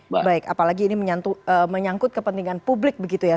baik apalagi ini menyangkut kepentingan publik begitu ya